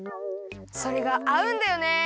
それがあうんだよね！